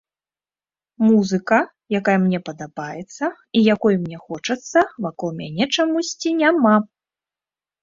Музыка, якая мне падабаецца і якой мне хочацца, вакол мяне чамусьці няма.